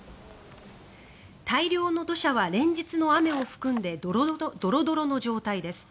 大量の土砂は連日の雨を含んでドロドロの状態です。